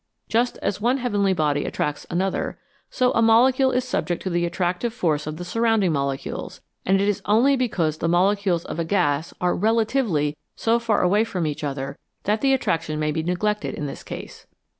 Just as one heavenly body attracts another, so a mole cule is subject to the attractive force of the surround ing molecules, and it is only because the molecules of a gas are relatively so far away from each other that the attraction may be neglected in this case.